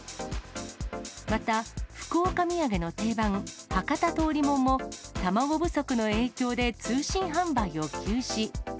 また、福岡土産の定番、博多通りもんも卵不足の影響で通信販売を休止。